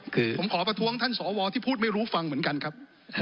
คือผมขอประท้วงท่านสวที่พูดไม่รู้ฟังเหมือนกันครับ